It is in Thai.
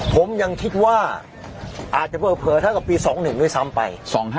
ผมยังคิดว่าอาจจะเผลอเท่ากับปี๒๑ด้วยซ้ำไป